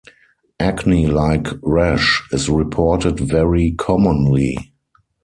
Acne-like rash is reported very commonly.